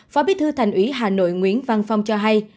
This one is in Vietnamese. phó bí thư thành ủy hà nội nguyễn văn phong cho hay